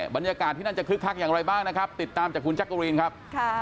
บรรยากาศที่นั่นจะคึกคักอย่างไรบ้างนะครับติดตามจากคุณจักรีนครับ